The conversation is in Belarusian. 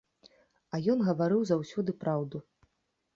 А ён гаварыў заўсёды праўду.